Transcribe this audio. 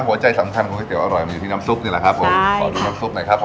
หัวใจสำคัญของก๋วอร่อยมันอยู่ที่น้ำซุปนี่แหละครับผมขอดูน้ำซุปหน่อยครับผม